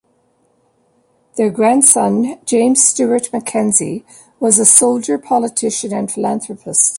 Their grandson James Stewart-Mackenzie was a soldier, politician and philanthropist.